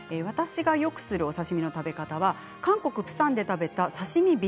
私がよくするお刺身の食べ方は韓国プサンで食べた刺身